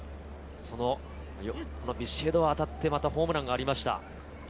ビシエドは当たってホームランがありました。